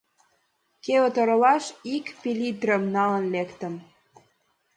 Кевыт оролаш ик пеллитрым налын лектым.